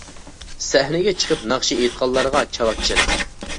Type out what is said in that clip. سەھنىگە چىقىپ ناخشا ئېيتقانلارغا چاۋاك چېلىڭ.